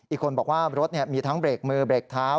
อีกคนบอกว่ารถมีทั้งเบรกมือเบรกเท้า